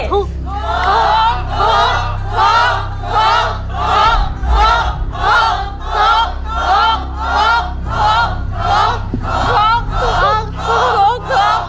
ถูก